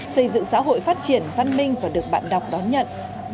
xây dựng xã hội phát triển văn minh và được bạn đọc đón nhận